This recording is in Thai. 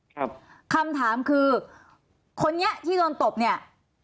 คำถามคือคนนี้ที่โดนตบเนี่ย